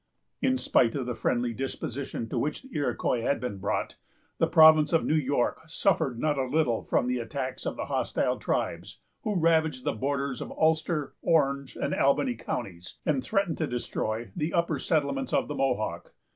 In spite of the friendly disposition to which the Iroquois had been brought, the province of New York suffered not a little from the attacks of the hostile tribes who ravaged the borders of Ulster, Orange, and Albany counties, and threatened to destroy the upper settlements of the Mohawk.